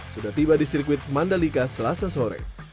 sudah tiba di sirkuit mandalika selasa sore